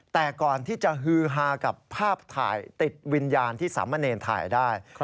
แต่ก่อนที่จะฮือฮากับภาพถ่ายติดวิญญาณที่สามเณรถ่ายได้